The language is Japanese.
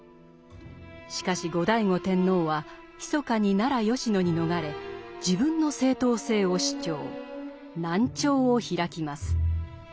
しかし後醍醐天皇はひそかに奈良・吉野に逃れ自分の正統性を主張南朝を開きます。